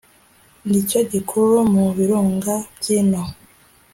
ni cyo gikuru mu birunga by’ino